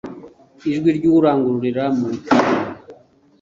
Ijwi ry'urangururira mu butayu